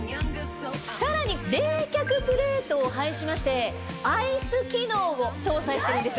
さらに冷却プレートを配しまして。を搭載しているんです。